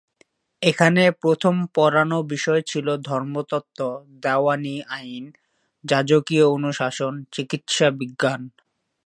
এখানে প্রথম পড়ানো বিষয় ছিল ধর্মতত্ত্ব, দেওয়ানি আইন, যাজকীয় অনুশাসন, চিকিৎসা বিজ্ঞান।